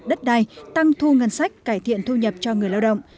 đất đai tăng thu ngân sách cải thiện thu nhập cho người lao động